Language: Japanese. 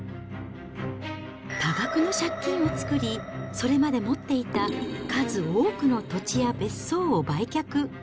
多額の借金を作り、それまで持っていた数多くの土地や別荘を売却。